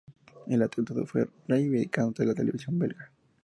El atentado fue reivindicado ante la televisión belga.